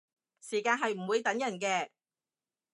時間係唔會等人嘅